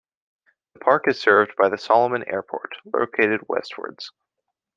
The park is served by the Solomon Airport, located westwards.